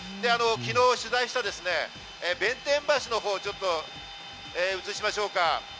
昨日取材した弁天橋のほうを映しましょうか。